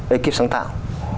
ekip sáng tạo